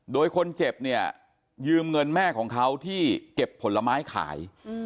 โดยคนเจ็บเนี่ยยืมเงินแม่ของเขาที่เก็บผลไม้ขาย